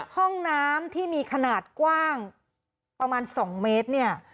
ห้องน้ำที่มีขนาดกว้างประมาณ๒เมตรเนี่ย